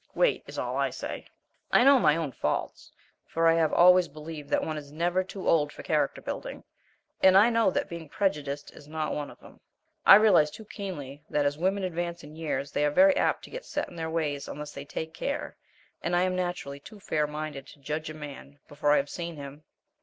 Wait! is all I say." I know my own faults, for I have always believed that one is never too old for character building, and I know that being prejudiced is not one of them. I realize too keenly that as women advance in years they are very apt to get set in their ways unless they take care, and I am naturally too fair minded to judge a man before I have seen him.